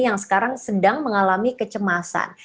yang sekarang sedang mengalami kecemasan